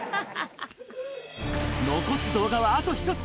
残す動画はあと１つ。